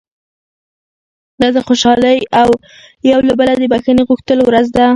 دا د خوشالۍ او یو له بله د بښنې غوښتلو ورځ ده.